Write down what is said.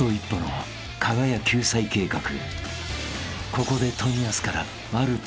［ここで］